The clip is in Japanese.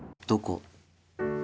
どこ？